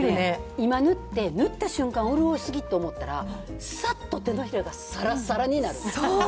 今塗って、塗った瞬間、潤い過ぎと思ったら、さっと手のひらがさらさらになる。